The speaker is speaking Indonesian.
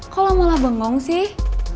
kok lo malah bengong sih